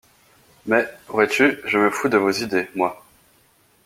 Mais, vois-tu, je me fous de vos idées, moi!